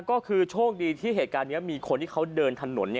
ก็คือโชคดีที่เหตุการณ์นี้มีคนที่เขาเดินถนน